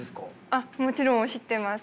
あっもちろん知ってます。